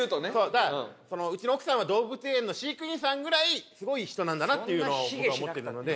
だからうちの奥さんは動物園の飼育員さんぐらいすごい人なんだなっていうのを僕は思ってるので。